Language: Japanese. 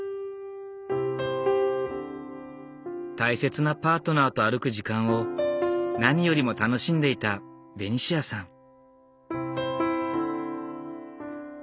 大切なパートナーと歩く時間を何よりも楽しんでいたベニシアさん。